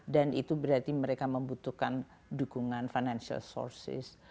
dan itu berarti mereka membutuhkan dukungan financial sources